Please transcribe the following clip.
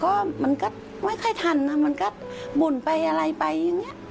ก็มันก็ไม่ค่อยทันนะมันก็บ่นไปอะไรไปอย่างนี้